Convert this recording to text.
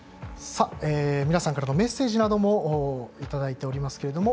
皆さんからのメッセージなどもいただいております。